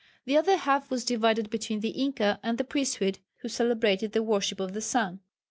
The other half was divided between the Inca and the priesthood who celebrated the worship of the sun.